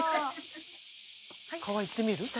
川行ってみる？